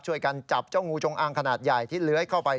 ช่วยกันจับเจ้างูจงอางขนาดใหญ่ที่เลื้อยเข้าไป